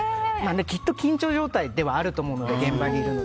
ずっと緊張状態ではあると思うので現場にいるので。